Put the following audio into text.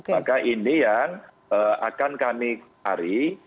maka ini yang akan kami cari